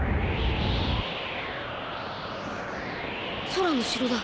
空の城だ。